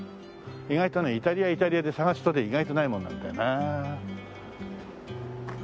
意外とねイタリアイタリアで探すとね意外とないもんなんだよね。